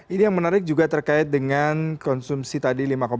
ini yang menarik juga terkait dengan konsumsi tadi